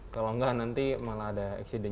kalau enggak nanti malah ada accident